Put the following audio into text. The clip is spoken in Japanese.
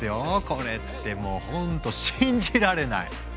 これってもうほんと信じられない！